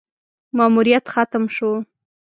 ماموریت ختم شو: